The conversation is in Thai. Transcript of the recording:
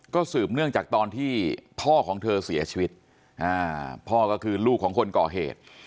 ก็สืบเนื่องจากตอนที่พ่อของเธอเสียชีวิตพ่อก็คือลูกของคนก่อเหตุ